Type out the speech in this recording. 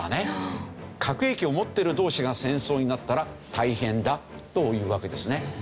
核兵器を持っている同士が戦争になったら大変だというわけですね。